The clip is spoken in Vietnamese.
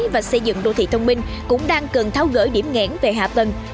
và xây dựng đô thị thông minh cũng đang cần tháo gỡ điểm nghẽn về hạ tầng